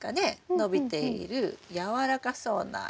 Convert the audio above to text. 伸びている軟らかそうな。